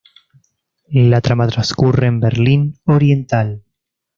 La trama transcurre en Berlín Oriental.